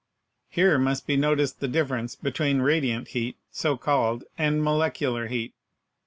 Here must be noticed the dif ference between "radiant heat," so called, and molecular heat.